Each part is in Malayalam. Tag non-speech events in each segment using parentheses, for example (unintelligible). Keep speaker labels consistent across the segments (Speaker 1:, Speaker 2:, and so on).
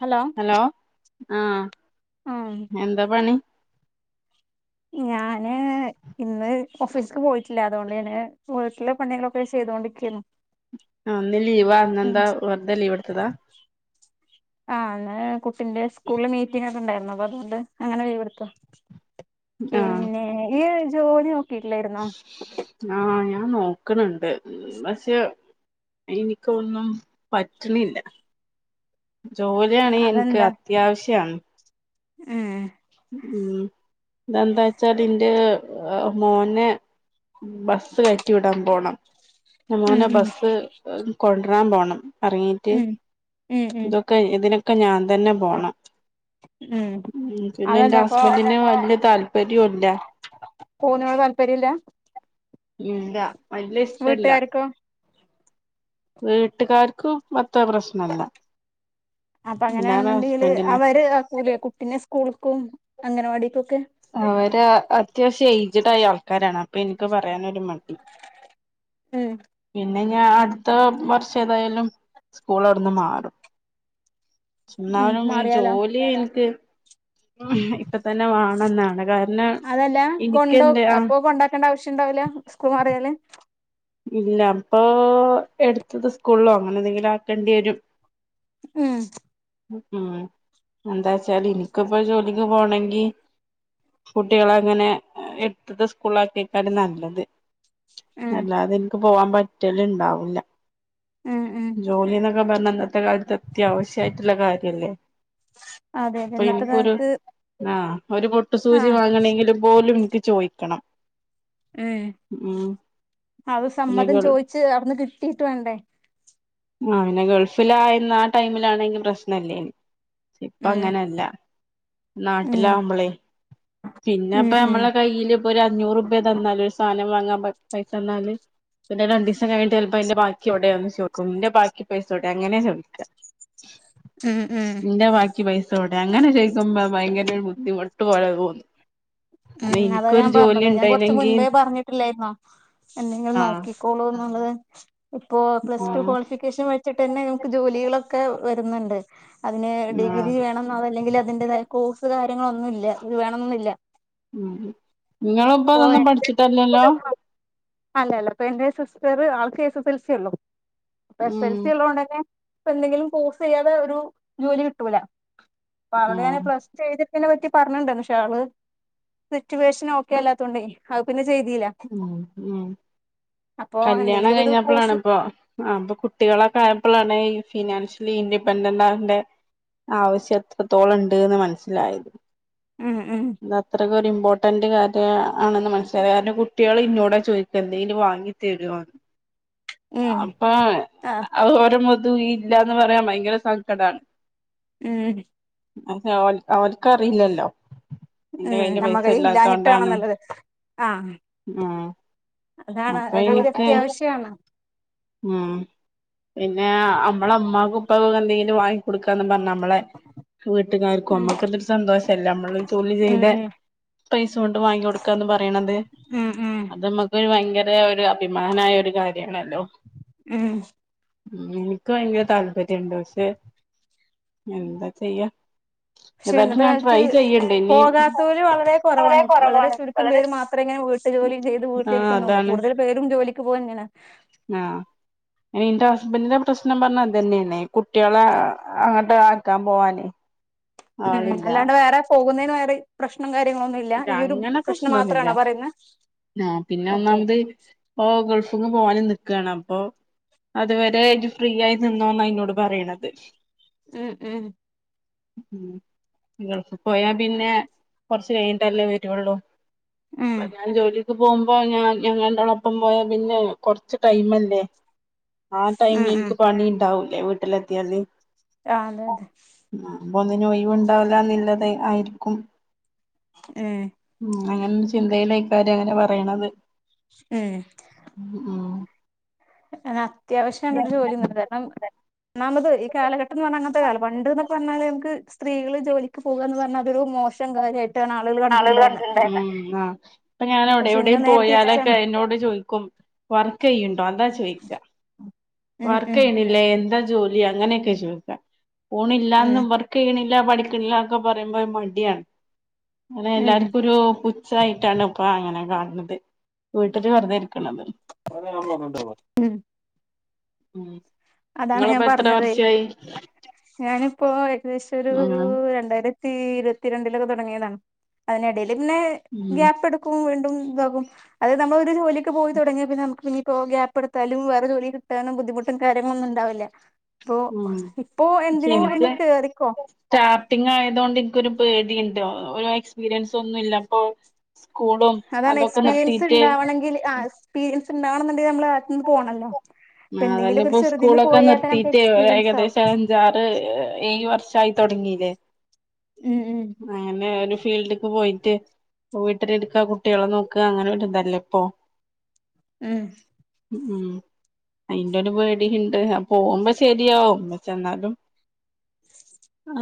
Speaker 1: ഹലോ
Speaker 2: ഹലോ ആഹ്
Speaker 1: ആഹ്
Speaker 2: എന്താ പണി?
Speaker 1: ഞാന് ഇന്ന് ഓഫീസിക്ക്‌ പോയിട്ടില്ല. അതോണ്ട് ഞാന് വീട്ടിലെ പണികളൊക്കെ ചെയ്തോണ്ടിക്കേനു
Speaker 2: അഹ് ഇന്ന് ലീവായിരുന്നു. എന്താ വെർതെ ലീവെടുത്തതാ?
Speaker 1: ആഹ്, ഇന്ന് കുട്ടിന്റെ സ്കൂളില് മീറ്റിംഗൊക്കെണ്ടായിരുന്നു. അപ്പൊ അതുകൊണ്ട് അങ്ങനെ ലീവെടുത്താ.
Speaker 2: ആഹ്
Speaker 1: പിന്നെ ഇയ് ജോലി നോക്കിട്ടില്ലായിരുന്നോ?
Speaker 2: ആഹ് ഞാൻ ന്നോക്ണ് ണ്ട് പക്ഷെ. ഇനിക്കൊന്നും പറ്റ്ണില്ല. ജോലിയാണേ എനിക്ക് അത്യാവശ്യാണ്
Speaker 1: ഏഹ്
Speaker 2: ഉം ഇതെന്താ വെച്ചാൽ ഇന്റെ മോനെ ബസ് കേറ്റി വിടാൻ പോണം.
Speaker 1: ഉം
Speaker 2: മോനെ ബസ്സ് കൊണ്ട്രരാൻ പോണം എറങ്ങീട്ട്
Speaker 1: ഉം ഉം ഉം
Speaker 2: ഇതൊക്കെ ഇതിനെ ക്കെ ഞാൻ തന്നെ പോണം.
Speaker 1: ഉം ഉം
Speaker 2: പിന്നെ
Speaker 1: അതല്ല
Speaker 2: എന്റെ
Speaker 1: അപ്പൊ
Speaker 2: ഹസ്ബൻഡിന് വെല്ല് താല്പര്യവോല്യാ
Speaker 1: പോകുന്നതിനോട് താല്പര്യല്ല
Speaker 2: ഇല്ല. വല്യാ ഇഷ്ടില്ല
Speaker 1: വീട്ടുകാർക്കോ
Speaker 2: വീട്ടുകാർക്കും മൊത്തം പ്രശ്നല്ല
Speaker 1: അപ്പ
Speaker 2: പിന്നാണ്
Speaker 1: അങ്ങനെയാണെന്നൊണ്ടെങ്കില്
Speaker 2: ഹസ്ബൻഡിന്
Speaker 1: അവെര് ആക്കൂലേ കുട്ടിനെ സ്കൂളുക്കും അംഗനവാടിക്കൊക്കെ
Speaker 2: അവെര് അത്യാവശ്യം എയ്ജെഡായ ആൾക്കാരാണ് അപ്പ എനിക്ക് പറയാനൊരു മടി (inaudible)
Speaker 1: ഉം
Speaker 2: പിന്നെ ഞാൻ അടുത്ത വർഷേതായാലും സ്കൂൾ അവെടുന്ന് മാറും ചുമ്മാ
Speaker 1: ഉം
Speaker 2: വെരുമ്പോ ഈ
Speaker 1: മാറിയാലോ
Speaker 2: ജോലിയെനിക്ക് ഇപ്പ തന്നെ വേണേന്നാണ് കാര
Speaker 1: അതല്ല. കൊണ്ടോ അപ്പൊ കൊണ്ടാക്കേണ്ട ആവശ്യവൊണ്ടാവില്ല സ്കൂള് മാറിയാല്
Speaker 2: ഇല്ല അപ്പൊ എടുത്തത് സ്കൂളോ അങ്ങനെ എന്തെങ്കിലും ആക്കേണ്ടി വെരും
Speaker 1: ഉം
Speaker 2: ഉം എന്താച്ചാല് എനിക്കിപ്പ ജോലിക്ക് പോകണെങ്കി കുട്ടികളെ ഇങ്ങനെ എടുത്തത് സ്കൂളിലാക്കിയേക്കാണ് നല്ലെത്
Speaker 1: ഉം
Speaker 2: അതെനിക്ക് പോകാൻ പറ്റലൊണ്ടാവില്ല.
Speaker 1: ഉം ഉം
Speaker 2: ജോലി ഇന്ന ത്തന്നെന്നാ ഇന്നത്തെ കാലത്ത് അത്യാവശ്യവായിറ്റുള്ള കാര്യാല്ലേ
Speaker 1: അതെ അതെ
Speaker 2: ഇപ്പ
Speaker 1: ഇന്നത്തെ
Speaker 2: എനിക്കൊരു
Speaker 1: കാലത്ത്
Speaker 2: ആ ഒരു മൊട്ടു സൂചി
Speaker 1: ആഹ്
Speaker 2: വാങ്ങണെങ്കിലും പോലും എക്ക് ചോയിക്കണം
Speaker 1: ഏഹ്
Speaker 2: ഉം
Speaker 1: അത്
Speaker 2: പിന്നെ
Speaker 1: സമ്മതം
Speaker 2: ഗൾ
Speaker 1: ചോയിച്ച് അവിടുന്ന് കിട്ടീട്ട് വേണ്ടേ
Speaker 2: ആ പിന്നെ ഗൾഫിൽ ആയിന്ന ആ ടൈമിലാണെങ്കിൽ പ്രശ്നമില്ലേന്ന് ഇപ്പ
Speaker 1: ഉം
Speaker 2: അങ്ങനെയല്ല
Speaker 1: ഉം
Speaker 2: നാട്ടിലാമ്പളേ പിന്നെ
Speaker 1: ഉം
Speaker 2: അപ്പ
Speaker 1: ഉം
Speaker 2: നമ്മളെ കയ്യില് ഇപ്പൊ ഒരു അഞ്ഞൂറ് റൂപ്യാ തന്നാലൊരു സാധനം വാങ്ങാൻ പ പയ് സന്നാല് പിന്നെ രണ്ട് ദേസം കഴിഞ്ഞിട്ട് ചെലപ്പോ അയിന്റെ ബാക്കിയെവെടെന്ന് ചോക്കും ഇന്റെ ബാക്കി പൈസ എവെടെ അങ്ങനേ ചോയ്ക
Speaker 1: ഉം ഉം
Speaker 2: ഇന്റെ ബാക്കി എനിക്കി പൈസോടെ അങ്ങനെ ചോക്കുമ്പ ഭയങ്കര ഒരു ബുദ്ധിമുട്ട് പോലെ തോന്നും അല്ല
Speaker 1: മ്മ് അതാ
Speaker 2: എനിക്കൊരു
Speaker 1: ഞാൻ
Speaker 2: ജോലി
Speaker 1: പറഞ്ഞത് ഞാൻ കുറച്ച്
Speaker 2: ഉണ്ടായിനെങ്കിൽ
Speaker 1: മുൻപേ പറഞ്ഞിട്ടിലെയിരുന്നോ എന്തെങ്കിലും
Speaker 2: ആഹ്
Speaker 1: നോക്കിക്കോളൂ എന്നുള്ളത് ഇപ്പോ പ്ലസ് ടു
Speaker 2: ഉം
Speaker 1: ക്വാളിഫി കേഷൻ വെച്ചിട്ടുതന്നെ നമക്ക് ജോലികളൊക്കെ വരുന്നുണ്ട് അതിന് ഡിഗ്രി
Speaker 2: ആഹ്
Speaker 1: വേണം അല്ലെങ്കിൽ അതിന്റേതായ കോഴ്സ് കാര്യങ്ങളൊന്നും ഇല്ല ഇത് വേണന്നോന്നുല്ലാ
Speaker 2: മ്മ് നിങ്ങൾ ഇപ്പ അതൊന്നും പഠിച്ചിട്ടല്ലല്ലോ
Speaker 1: ഇപ്പോ അല്ല അല്ല അപ്പൊ എന്റെ സിസ്റ്റർ ആൾക്ക് എസ് എസ് എൽ സി ഉള്ളു എസ്
Speaker 2: ഉം
Speaker 1: (inaudible) (unintelligible) എന്തെങ്കിലും കോഴ്സ് ചെയ്യാതെ ഒരു ജോലി കിട്ടൂല ഇപ്പവിടെ ആണെങ്കിൽ
Speaker 2: ആഹ്
Speaker 1: പ്ലസ്ടു ചെയ്തിരിക്കതിനെ പറ്റി പറഞ്ഞിണ്ട് പക്ഷേ ആള് സിറ്റുവേഷൻ ഒക്കെ അല്ലാത്തുണ്ടേ അത് പിന്നെ ചെയ്തില്ല
Speaker 2: മ്മ് മ്മ്
Speaker 1: അപ്പൊ
Speaker 2: കല്യാണം
Speaker 1: എന്തെങ്കിലും ഒരു കോഴ്സ്
Speaker 2: കഴിഞ്ഞപ്പളാണ്പ്പോ ആഹ് അപ്പൊ കുട്ടികളൊക്കെ ആയപ്പോളാണ് ഈ ഫിനാൻഷ്യലി ഇൻഡിപെൻഡന്റ് ആകടെ ആവശ്യം എത്രത്തോളം ഉണ്ട്ന്ന് മനസ്സിലായത്
Speaker 1: മ്മ് മ്മ്
Speaker 2: അത് അത്രക്ക് ഒരു ഇമ്പോർട്ടന്റ് കാര്യം ആണെന്ന് മനസ്സിലാ കുട്ടികൾ ഇന്നോട ചോദിക്ക എന്തെങ്കും വാങ്ങി തരോന്ന് ഞാൻ
Speaker 1: ഉം
Speaker 2: അപ്പൊ
Speaker 1: ആഹ്
Speaker 2: ആ ഒരുടെ മുഖത്തോകി ഇല്ലന്ന് പറയാൻ ഭയങ്കര സങ്കടണ്
Speaker 1: മ്മ്
Speaker 2: അതെ ഓൾ ഓൾക്ക് അവർക്കറിയില്ലല്ലോ നിന്റെ
Speaker 1: ഉം
Speaker 2: കയ്യില്
Speaker 1: നമ്മ
Speaker 2: പൈസ
Speaker 1: കൈ
Speaker 2: ഇല്ലാ
Speaker 1: ഇല്ലാഞ്ഞിട്ടാണ്
Speaker 2: തോണ്ടാണ്
Speaker 1: നല്ലത് ആഹ്
Speaker 2: ആഹ്
Speaker 1: അതാണ്
Speaker 2: അപ്പോ
Speaker 1: ജോലി
Speaker 2: എനിക്ക്
Speaker 1: അത്യാവശ്യാണ്
Speaker 2: മ്മ് പിന്നെ അമ്മളെ ഉമ്മാക്ക് ഉപ്പൊക്കെ എന്തെങ്കിലും വാങ്ങി കൊടുക്കാന്ന് പറഞ്ഞ നമ്മളെ വീട്ടുകാർക്കും
Speaker 1: ഉം
Speaker 2: അമ്മക്ക് ഒരു സന്തോഷല്ല അമ്മള് ജോലി
Speaker 1: ഉം
Speaker 2: ചെയ്തെ
Speaker 1: ഉം
Speaker 2: പൈസക്കൊണ്ട് വാങ്ങി കൊടുക്കാന്ന് പറയണത്
Speaker 1: ഉം ഉം
Speaker 2: അത് അമ്മക്കൊരു ഭയങ്കര ഒരു അഭിമാനയ ഒരു കാര്യണല്ലോ
Speaker 1: ഉം
Speaker 2: മ്മ് എനിക്ക് ഭയങ്കര താൽപര്യോണ്ട് പഷേ എന്താ ചെയ്യാ (inaudible)
Speaker 1: പഷേ
Speaker 2: ഞാൻ
Speaker 1: ഇന്നത്തെക്കാലത്ത്
Speaker 2: ട്രൈ ചെയ്യണ്ട് ഇനി
Speaker 1: പോകാത്തവര് വളരെ കൊറവാണ് വളരെ
Speaker 2: കുറവാണ്
Speaker 1: ചുരുക്കം
Speaker 2: വളരെ
Speaker 1: പേര് മാ ത്ര ഇങ്ങനെ വീട്ട് ജോലിയും ചെയ്ത്
Speaker 2: ആഹ്
Speaker 1: വീട്ടിലിരിക്കുന്നുള്ളൂ
Speaker 2: അതാണ്
Speaker 1: കുടുതൽ പേരും ജോലിക്ക് പോവ ഇങ്ങനെ
Speaker 2: ആഹ് എന്റെ ഹസ്ബൻറ്റിന്റെ പ്രശ്നം പറഞ്ഞ അതന്നെണെ കുട്ടികളെ അങ്ങട്ട് ആക്കാൻ പോവാനെ
Speaker 1: മ്മ് അല്ലാണ്ട് വേറെ പോകുന്നേന് വേറെ പ്രശ്ണം കാര്യങ്ങളൊന്നുവില്ല
Speaker 2: ഇല്ല
Speaker 1: ഈ ഒരു
Speaker 2: അങ്ങനെ
Speaker 1: പ്രശ്നം
Speaker 2: പ്രശ്നൊന്നുമില്ല
Speaker 1: മാത്രണോ പറയുന്നെ ഓക്കെ
Speaker 2: ഓഹ് ഗൾഫിന്ന് പോവാനും നിക്കണ് അപ്പോ അതുവരെ ഇജ് ഫ്രീ ആയി നിന്നോന്ന ഇന്നോട് പറയണത്
Speaker 1: മ്മ് മ്മ്
Speaker 2: മ്മ് ഗൾഫി പോയാ പിന്നെ (unintelligible) ണ്ടല്ലേ വരുള്ളൂ
Speaker 1: ഉം
Speaker 2: അതാ ജോലി ക്ക് പോമ്പോ ഞാൻ ഞങ്ങനോടൊപ്പം പോയാ പിന്നെ കൊറച്ച് ടൈം ഇല്ലേ ആഹ്
Speaker 1: ഉം
Speaker 2: ടൈമില്
Speaker 1: ഉം
Speaker 2: എനിക്ക് പണി ഇണ്ടാവൂലേ വീട്ടിലെത്തിയാല്
Speaker 1: ആഹ് അതെ അതെ
Speaker 2: അപ്പോ ഒന്നിനു ഒയിവ് ഇണ്ടാവില്ലന്നില്ലത് ആരിക്കും
Speaker 1: ഏഹ്
Speaker 2: മ്മ് അങ്ങനെ ചിന്തയിലായിക്കാര് അങ്ങനെ പറയണത്
Speaker 1: ഉം
Speaker 2: ഉം ഉം
Speaker 1: ഏഹ് അത്യാവശ്യം (unintelligible) ഒരു ജോലിന്നത് കാരണം ഒന്നാമത് ഈ കാലഘട്ടം എന്ന് പറഞ്ഞാ അങ്ങത്തെരു (unintelligible) പറഞ്ഞാല് നമക്ക് സ്ത്രീകള് ജോലിക്ക് പോകുക എന്ന് പറഞ്ഞാ അത് ഒരു മോശം കാര്യയ
Speaker 2: ആളുകള് കണ്ടിരുന്നെന്ന് ഇപ്പോ ഞാൻ എവെടെ
Speaker 1: പക്ഷെ ഇന്ന്
Speaker 2: എവെടെയും
Speaker 1: നേരെ
Speaker 2: പോയാലക്കെ
Speaker 1: തിരിച്ചാണ്
Speaker 2: എന്നോട് ചോയ്ക്കും വർക്കെയ്ണ്ടോ അതാ ചോയ്ക്ക
Speaker 1: ഉം ഉം
Speaker 2: വർക്കെയ്ണി ല്ലേ എന്താ ജോലി അങ്ങനെക്കെയാ ചോയ്ക്ക
Speaker 1: ഉം
Speaker 2: പോണില്ലാന്ന് വ ക്കെണില്ല, പഠിക്കണില്ലാന്നൊക്കെ പറയുമ്പോ മടിയണ് അങ്ങനെ
Speaker 1: ഉം
Speaker 2: എല്ലാർക്കൊരു പു ഛായിട്ടാണ് ഇപ്പോ അങ്ങനെ കാണണത് വീട്ടില് വെർതെ ഇരിക്കണത്.
Speaker 1: ഉം
Speaker 2: ഉം
Speaker 1: അതാണ് ഞാൻ
Speaker 2: ഇങ്ങളിപ്പോ എത്ര
Speaker 1: പറഞ്ഞതേ
Speaker 2: വർഷായി?
Speaker 1: ഞാനിപ്പോ ഏകദേശം ഒരു
Speaker 2: ഉം
Speaker 1: രണ്ടായിര ത്തി ഇരുവത്തിരണ്ടിലൊക്കെ തൊടങ്ങിയതാണ്. അതിനിടേല് പിന്നെ
Speaker 2: ഉം
Speaker 1: ഗ്യാപ്പ് എടു ക്കു വീണ്ടും ഇതാകും അത് നമ്മള് ഒരു ജോലിക്ക് പോയി തൊടങ്ങിയാ പിന്നെ നമ്മുക്ക് പിന്നിപ്പോ ഗ്യാപ്പെടുത്താലും വേറെ ജോലി കിട്ടാനും ബുദ്ധിമുട്ടൊക്കെ അങ്ങനൊന്നു ഒണ്ടാവില്ല. ഇപ്പോ
Speaker 2: ഉം
Speaker 1: ഇപ്പോ എന്തിനേലും ഒന്ന്
Speaker 2: പക്ഷെ എനിക്ക്
Speaker 1: കേറിക്കോ.
Speaker 2: സ്റ്റാർട്ടിങ് ആയതുകൊണ്ട് എനിക്കൊരു പേടിയ്ണ്ട്. ഒര് എക്സ്പീരിയൻസൊന്നുല്ല അപ്പോ സ്കൂളും അതൊക്കെ നിർത്തീറ്റ്
Speaker 1: ങ്കില് ആസ് പീരിയൻസ് ഉണ്ടാവണോന്നെണ്ടെല് നമ്മള് (unintelligible) പോണല്ലോ. ഇപ്പൊ
Speaker 2: ആഹ്
Speaker 1: എന്തെങ്കിലും ഒരു
Speaker 2: അതല്ലപ്പോ
Speaker 1: ചെറുതിന്
Speaker 2: ഉസ്കൂളെക്കെ
Speaker 1: പോയാ തന്നെ നമുക്ക്
Speaker 2: നിർത്തിട്ട്
Speaker 1: എക്സ്പീരിയൻസ് ആവും
Speaker 2: ഏകദേശം അഞ്ചാറ്, ഏഴ് വർഷായി തൊടങ്ങീല്ലേ.
Speaker 1: ഉം ഉം
Speaker 2: അങ്ങനെ ഒരു ഫീൽഡിക്ക് പോയിറ്റ്. വീട്ടിലെടുക്കുക, കുട്ടികളെ നോക്കുക, അങ്ങനെയൊരിതല്ലേ ഇപ്പൊ?
Speaker 1: ഉം
Speaker 2: ഉം ഉം അയിന്റ ഒരു പേടിയുണ്ട്. ആ പോമ്പോ ശരിയാവും. പക്ഷെ എന്നാലും.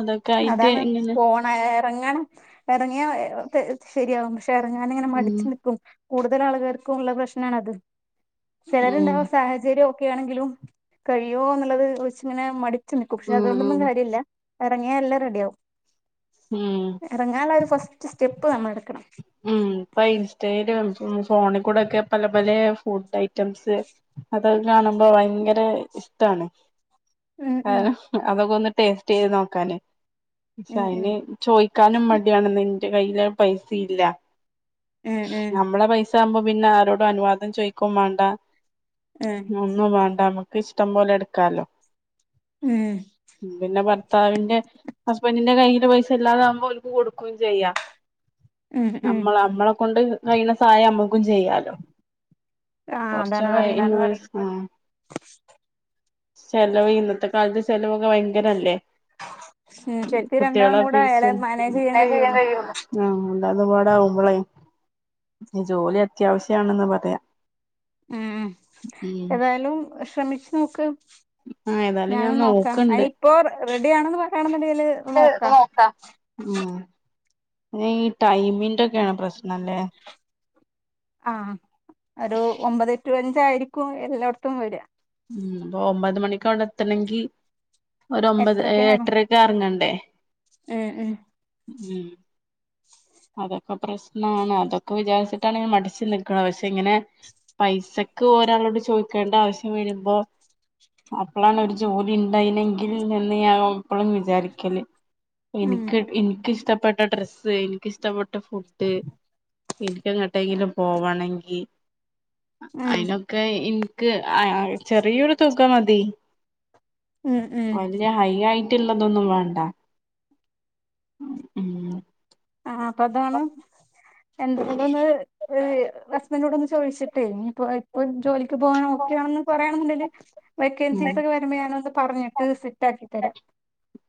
Speaker 2: അതെ ക്കായിറ്റ് എങ്ങനെ?
Speaker 1: ആ എറങ്ങണം. എറങ്ങിയാ ശരിയാകും. പക്ഷെ എറങ്ങാനിങ്ങനെ
Speaker 2: ഉം
Speaker 1: മടിച്ചു നിക്കും. കൂടുതൽ ആളുകാർക്കു ഉള്ളാെരു പ്രശ്നണത്.
Speaker 2: ഉം
Speaker 1: ചെലരുണ്ടാവും സാഹചരോം. ഒക്കയാണെങ്കിലും കഴിയോ എന്നുള്ളത് വച്ചിങ്ങനെ മടിച്ചു നിക്കും. പക്ഷെ
Speaker 2: ഉം
Speaker 1: അതുകൊണ്ടൊന്നും
Speaker 2: ഉം
Speaker 1: കാര്യല്ല. ഇറങ്ങിയാൽ എല്ലാം റെഡിയാവും.
Speaker 2: ഉം
Speaker 1: ഇറങ്ങാനൊള്ളൊരു ഫസ്റ്റ് സ്റ്റെപ്പ് നമ്മെളെടുക്കണം.
Speaker 2: ഉം ഇപ്പൊ ഇൻസ്റ്റയിലും ഫോണിൽ കൂടെക്കെ പല പല ഫുഡ് ഐ റ്റംസ്. അതൊക്കെ കാണുമ്പോ ഭയങ്കര ഇഷ്ടാണ്.
Speaker 1: ഉം ഉം
Speaker 2: കാരം അതൊക്കെ ഒന്ന് ടേസ്റ്റ് ചെയ്ത് നോക്കാന്. പക്ഷെ
Speaker 1: ഉം
Speaker 2: അതിന് ചോയിക്കാനും മടിയാണ് മി എന്റെ കയ്യിലാ ങ്കിപൈസ ഇല്ല.
Speaker 1: ഉം ഉം
Speaker 2: നമ്മളെ പൈസറ്റ് അതാവുമ്പോ പിന്നെ ആരോടും അനുവാദം ചോയിക്കും വേണ്ടാ.
Speaker 1: ഉം
Speaker 2: ഒന്നും വേണ്ടാ നമ്മക്ക്. ഇഷ്ടം പോലെ എടുക്കാലോ.
Speaker 1: ഉം
Speaker 2: പിന്നെ ഭർത്താവിന്റെ, ഹസ്ബൻഡിന്റെ കയ്യില് പൈസയില്ലാതാമ്പോ ഓല്ക്ക് കൊടുക്കും ചെയ്യാ
Speaker 1: ഉം ഉം ഉം
Speaker 2: നമ്മെള് നമ്മെളെ കൊണ്ട് കഴിയണ സഹായം നമ്മെക്കും ചെയ്യാലോ.
Speaker 1: ആഹ് അതാണ്
Speaker 2: കൊറെച്ചെക്കായി
Speaker 1: പറയുന്നത്
Speaker 2: നമ്മെ (unintelligible) ളെ സ്നാ. ചെലവേ. ഇന്നത്തെ കാലത്ത് ചെലവ് ഒക്കെ ഭയങ്ക അങ്ങനല്ലേ.
Speaker 1: ഉം ശരിക്കും രണ്ടാളും
Speaker 2: കുട്ടികളെ
Speaker 1: കൂടെ ആയാലേ
Speaker 2: ഫീസും
Speaker 1: മാനേജ് ചെയ്യാൻ കഴിയുള്ളൂ
Speaker 2: ആഹ് അല്ലാത് പാടാമ്പളെ ജോലി അത്യാവശ്യാണെന്ന് പറയാ.
Speaker 1: ഉം
Speaker 2: ഉം
Speaker 1: ഏതായാലും ശ്രമിച്ച് നോക്ക്.
Speaker 2: ആഹ് ഏതായാലും ഞാൻ
Speaker 1: ഞാനും നോക്കാം.
Speaker 2: നോക്ക്ണ്ട്
Speaker 1: അയിനിപ്പോ റെഡിയാണെന്ന് പറയണൊണ്ടെങ്കില്.
Speaker 2: മെക്ക് നോക്കാം. ന്നെ ഈ ടൈമിന്റെക്കെയാണ് പ്രശ്നല്ലേ?
Speaker 1: ആഹ് ഒരു ഒമ്പതേ ടു അഞ്ച് ആയിരിക്കും എല്ലായിടത്തും വര്ക.
Speaker 2: ഉം അപ്പൊ ഒമ്പത് മണിക്ക് അവെടെ എത്തണമെങ്കി ഒര് ഒമ്പത്
Speaker 1: എട്ടരക്കങ്ങാണ്
Speaker 2: എട്ടരക്കെ ഇറങ്ങണ്ടേ?
Speaker 1: ഉം ഉം
Speaker 2: ഉം അതൊക്കെ പ്രശ്നാണ്. അതൊക്കെ വിചാരിച്ചിട്ടാണ് ഞാ മടിച്ചു നിക്കണേ പക്ഷെ ഇങ്ങനെ. പൈസക്ക് ഒരാളോട് ചോദിക്കേണ്ട ആവശ്യം വരുമ്പോ അപ്പളാണ് ഒരു ജോലി ഉണ്ടായിനെങ്കിൽ എന്ന് ഞാൻ എപ്പളും വിചാരിക്കല്
Speaker 1: ഉം
Speaker 2: എനിക്ക് എനിക്കിഷ്ടപ്പെട്ട ഡ്രസ്സ് എനിക്കിഷ്ടപ്പെട്ട ഫുഡ് എനിക്കങ്ങട്ടെങ്കിലും പോവാണെങ്കിൽ
Speaker 1: ഉം
Speaker 2: അയി എനിക്ക് ആ ചെറിയൊരു തുക മതി
Speaker 1: ഉം ഉം ഉം
Speaker 2: വല്യ ഹൈ ആയിട്ടള്ളതൊന്നും വേണ്ട ഉം
Speaker 1: ആ അപ്പൊ അതാണ് എന്തുകൊണ്ടന്ന് നോട് ഒന്ന് ചോദിച്ചിട്ടേ ഇനി ഇപ്പ ഇപ്പൊ ജോലിക്ക് പോകാനോ ഓക്കൊണെന്ന് പറയയാണെന്നണ്ടെങ്കില്
Speaker 2: ഉം
Speaker 1: വേക്കൻസീസൊക്കെ വരുമ്പഴ് ഞാനൊന്ന് പറഞ്ഞട്ട് സെറ്റാക്കി തരാം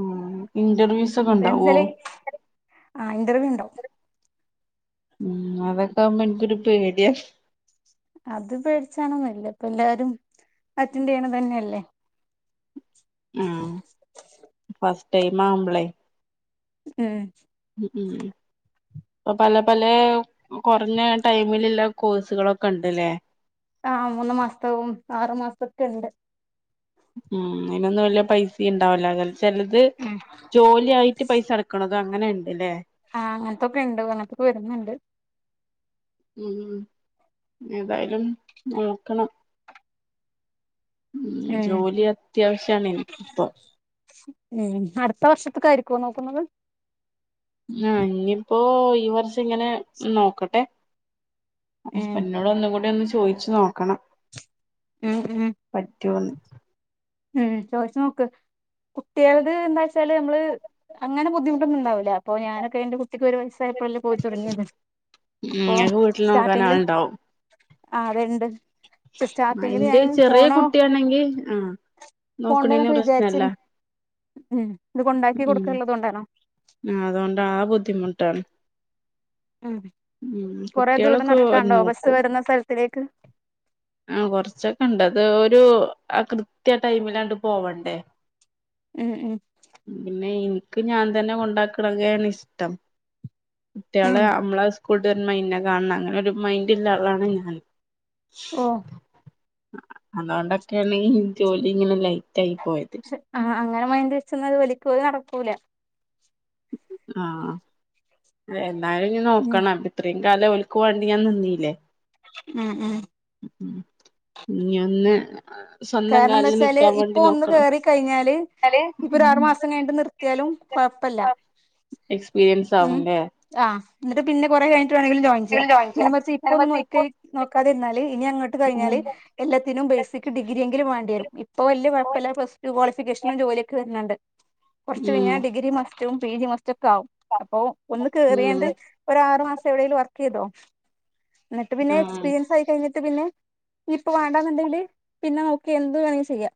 Speaker 2: ഉം ഇന്റർവ്യൂസ് ഒക്കെ ഉണ്ടാവോ
Speaker 1: പെൻസലി ആ ഇന്റർവ്യൂ ണ്ടാവും
Speaker 2: ഉം അവരതാകുമ്പോ എനിക്കൊരു പേടിയ
Speaker 1: അത് പേടിച്ചാണൊന്നല്ല ഇപ്പ എല്ലാരും അറ്റൻഡയ്യണ തന്നെല്ലേ
Speaker 2: ഉം ഫസ്റ്റ് ടൈമാവുമ്പളെ
Speaker 1: ഉം
Speaker 2: ഉം ഉം ഇപ്പ പലെ പലെകുറഞ്ഞ ടൈമിലുള്ള കോഴ്സുകളൊക്കെ ഉണ്ട്ല്ലേ
Speaker 1: ആ് മൂന്ന് മാസത്തവും ആറു മാസതക്ക് ഉണ്ട്
Speaker 2: ഉം അതിനൊന്നും വല്ല പൈസ ഉണ്ടാവില്ല ചിലത്
Speaker 1: ഉം
Speaker 2: ജോലിയായിട്ട് പൈസ അടക്കണം അങ്ങനെണ്ട്ലേ
Speaker 1: ആഹ് അങ്ങനത്തൊക്കെ ഉണ്ട് അങ്ങനത്തൊക്കെ വരുന്നുണ്ട്.
Speaker 2: ഉ ഏതായാലും നോക്കണം. ഉ
Speaker 1: ഉം
Speaker 2: ജോലി അത്യാവശ്യണ ഇപ്പൊ.
Speaker 1: ഉം അടുത്ത വർഷത്തക്കായിരിക്കുവോ നോക്കുന്നത്.
Speaker 2: ആഹ ഇനിയിപ്പോൊ ഈ വർഷാ ഇങ്ങനെ നോക്കട്ടെ
Speaker 1: ഉം
Speaker 2: ഹസ്ബൻറിനോട് ഒന്ന കൂടി ഒന്ന് ചോയിിച്ചു നോക്കണം
Speaker 1: ഉം ഉം
Speaker 2: പറ്റൊന്ന്.
Speaker 1: ഉം ചോദിച്ച നോക്ക് കുട്ടികളത് എന്താ വച്ചാല് നമ്മള് അങ്ങന ബുദ്ധിമുട്ടൊന്നുണ്ടാവില്ല അപ്പോ ഞാനൊക്കെന്റെ കുട്ടക്ക് ഒരു വയസ്സ് സപ്പുില് പോയി തുടങ്ങിയത്
Speaker 2: ഉം
Speaker 1: അപ്പൊ
Speaker 2: ങ്ങക്ക് വീട്ടിൽ നോക്കാൻ
Speaker 1: സ്റ്റാർട്ടിങ്ങില്
Speaker 2: ആളുണ്ടാവും
Speaker 1: ആ രണ്ട് സിസ്റ്റ പിന്നീട്
Speaker 2: അയിന്റെ
Speaker 1: ഞൻ
Speaker 2: ചെറിയ
Speaker 1: പോണോ
Speaker 2: കുട്ടിയാണെങ്കി ആ നോക്കണേന്
Speaker 1: പോണ്ടെന്നൊക്കെ
Speaker 2: പ്രശ്നല്ല
Speaker 1: വിചാരിച്ചിരുന്നു. ഉം ഇത് കൊണ്ടാക്കി കൊടുക്കള്ളത്ുക കൊണ്ടാണോ.
Speaker 2: അതുകൊണ്ട ആ ബുദ്ധിമുട്ടാണ്.
Speaker 1: ഉം
Speaker 2: ഉം
Speaker 1: കൊറെേ ദൂരം
Speaker 2: കുട്ടികളൊക്കെ
Speaker 1: നടക്കാണ്ടോ ബസ്സ്
Speaker 2: നോക്കും
Speaker 1: വരുന്ന സ്ഥലത്തിലേക്ക്.
Speaker 2: ആ കൊറച്ചൊക്കെ ഉണ്ട് അത് ഒരു കൃത്യ ടൈമിലാണ്ട് പോവണ്ടേ.
Speaker 1: ഉം ഉം
Speaker 2: പിന്നെ എനിക്ക് ഞാൻ തന്നെ കൊണ്ടാക്കണങ്കെയാണ് ഇഷ്ടം.
Speaker 1: ഉം
Speaker 2: കുട്ടികള് നമ്മളെ സ്കൂൾ മന്നെ കാണണം അങ്ങനെ ഒരു മൈൻഡള്ള ആളാണ് ഞാൻ.
Speaker 1: ഓഹ്
Speaker 2: അതുകൊണ്ടൊക്കെയാണ് ജോലി ഇങ്ങനെ ലൈറ്റ് ആയി പോയത്.
Speaker 1: ആഹ് അങ്ങനെ മയന് വച്ചും അത് വലിക്ക അല നടക്കൂല്ല.
Speaker 2: ആഹ എന്നാലും ഇ
Speaker 1: ഉം
Speaker 2: നോക്കണം. ഇത്രയും കാലം ഓലക്കുവേണ്ടി ഞാൻ നിന്ദില്ലേ.
Speaker 1: ഉം ഉം
Speaker 2: ഇനി ഒന്ന് സ്വന്തം
Speaker 1: കാരണം എന്താ
Speaker 2: കാലിൽ
Speaker 1: വച്ചാല്
Speaker 2: നിക്കാൻ
Speaker 1: ഇപ്പൊ
Speaker 2: വേണ്ടി
Speaker 1: ഒന്ന്
Speaker 2: നോക്കണം
Speaker 1: കേറി കഴിഞ്ഞാല്
Speaker 2: ന്നാല്
Speaker 1: ഇപ്പൊ ഒരു ആറുമാസം കഴിഞ്ഞട്ട് നി എത്തിയാലും കൊഴപ്പല്ല
Speaker 2: എക്സ്പീരിയൻസ്
Speaker 1: ഉം.
Speaker 2: ആവുംല്ലേ
Speaker 1: ആ എന്നിട്ട് പിന്നെ കുറേ കഴിഞ്ഞിട്ട് വീണെങ്കിലും ജോ. ജ്യാ
Speaker 2: ഇതില് ജോയിൻ
Speaker 1: നേരെ മറിച്ച് ഇപ്പൊ ഒന്നും
Speaker 2: ചെയ്യാ
Speaker 1: നോക്കി നോക്കാതിരുന്നാല് ഇനി അങ്ങോട്ട് കഴിഞ്ഞാല്.
Speaker 2: ഉം
Speaker 1: എല്ലാത്തിനും ബേസിക് ഡിഗ്രിയെങ്കിലും വേണ്ടിവെരും. ഇപ്പ വെല്യാ കൊഴപ്പമില്ല. Plus two ക്വളിഫിക്കേഷനിൽ ജോലിക്കെ വെരണൊണ്ട്. കൊറെച്ച്
Speaker 2: ഉം
Speaker 1: കഴിഞ്ഞാൽ ഡിഗ്രി മസ്റ്റും പി ജി മസ്റ്റൊക്കെ ആകും. അപ്പൊ ഒന്ന്
Speaker 2: ഉം
Speaker 1: കേറിയോണ്ട്. ഒരാറു മാസം എവിടെലും വർക്ക് ചെയ്തോ. എന്നിട്ട് പിന്നെ
Speaker 2: ആഹ്
Speaker 1: എക്സ്പീരിയൻസ് ആയി കഴിഞ്ഞിട്ട് പിന്നെ. ഇപ്പൊ വേണ്ടാന്നുണ്ടെങ്കില് പിന്നെ നോക്കി എന്ത് വേണേലും ചെയ്യാം.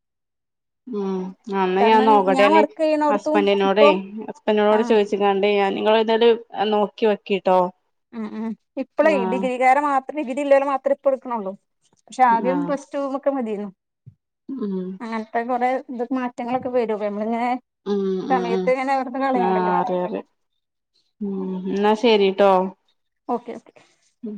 Speaker 2: ഉം അന്ന് ഞാൻ
Speaker 1: കാരണം
Speaker 2: നോക്കട്ടെന്നെ.
Speaker 1: വർക്ക് ചെയ്യണോടത്തും
Speaker 2: ഹസ്ബൻഡിനോടേ
Speaker 1: ഇപ്പൊ
Speaker 2: ഹസ്ബൻഡിനോട്
Speaker 1: ആഹ്
Speaker 2: ചോയ്ച്ച് ച്ച് കണ്ട് കഴിഞ്ഞാ നിങ്ങെള് ഇന്നോട് നോക്കി വെക്ക്ട്ടോ.
Speaker 1: ഉം ഉം ഇപ്പളേ ഡിഗ്രീകാരെ മാത്രം. ഡിഗ്രി ഇല്ലേല മാത്രേയിപ്പ എടുക്കണള്ളൂ. പക്ഷെ ആദ്യം
Speaker 2: ആഹ്
Speaker 1: പ്ലസ് ടു മെക്കെ മതീന്നു.
Speaker 2: ഉം
Speaker 1: അങ്ങനത്തെ കൊറെ ഇത് മാറ്റങ്ങളൊക്കെ വെരും. നമ്മളിങ്ങനെ
Speaker 2: ഉം ഉം ഉം
Speaker 1: സമയത്ത് ഇങ്ങനെ വെർതെ കളയേണ്ടല്ലോ.
Speaker 2: ഉ എന്നാ ശരിട്ടോ.
Speaker 1: ഓക്കേ ഓക്കെ
Speaker 2: ഉം